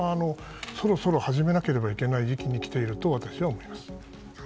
そろそろ始めなければいけない時期に来ていると私は思います。